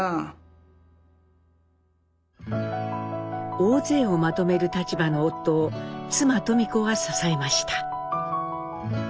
大勢をまとめる立場の夫を妻登美子は支えました。